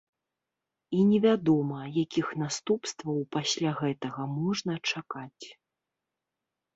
І невядома, якіх наступстваў пасля гэтага можна чакаць.